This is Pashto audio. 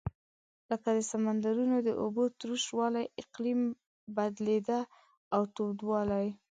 لکه د سمندرونو د اوبو تروش والۍ اقلیم بدلېده او تودوالی.